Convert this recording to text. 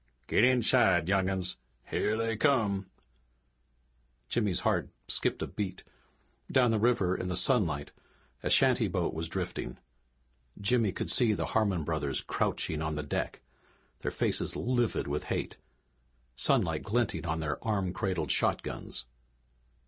"Git inside, young 'uns. Here they come!" Jimmy's heart skipped a beat. Down the river in the sunlight a shantyboat was drifting. Jimmy could see the Harmon brothers crouching on the deck, their faces livid with hate, sunlight glinting on their arm cradled shotguns.